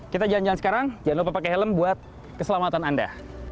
kita jalan jalan sekarang jangan lupa pakai helm buat keselamatan anda